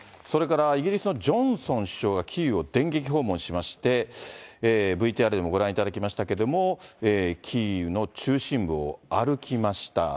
それからイギリスのジョンソン首相がキーウを電撃訪問しまして、ＶＴＲでもご覧いただきましたけれども、キーウの中心部を歩きました。